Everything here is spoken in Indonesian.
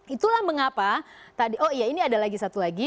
itulah mengapa tadi oh iya ini ada lagi satu lagi